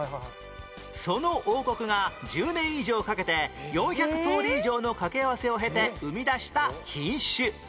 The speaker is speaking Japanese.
その王国が１０年以上かけて４００通り以上の掛け合わせを経て生み出した品種